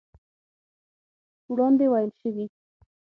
وړاندې ويل شوي